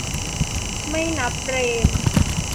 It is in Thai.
ไม่นับเปรม ?